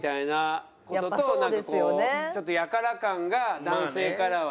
ちょっとやから感が男性からは。